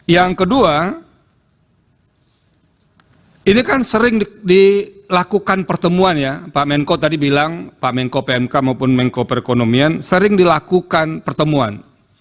yang kedua ini kan sering dilakukan pertemuan ya pak menko tadi bilang pak menko pmk maupun menko perekonomian sering dilakukan pertemuan